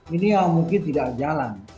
ini yang mungkin tidak jalan